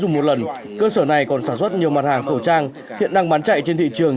dùng một lần cơ sở này còn sản xuất nhiều mặt hàng khẩu trang hiện đang bán chạy trên thị trường